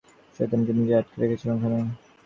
শয়তানটা নিজেকে আটকে রেখেছে ওখানে!